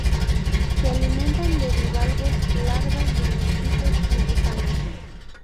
Se alimentan de bivalvos, larvas de mosquitos y gusanos.